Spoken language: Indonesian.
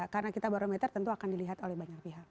karena kita barometer tentu akan dilihat oleh banyak pihak